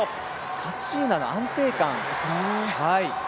カッシーナの安定感ですね。